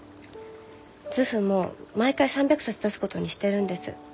図譜も毎回３００冊出すことにしてるんです。